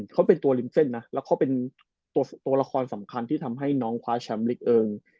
เขาเป็นตัวริมเส้นนะแล้วเขาเป็นตัวละครสำคัญที่ทำให้น้องคว้าแชมป์ลิกเอิง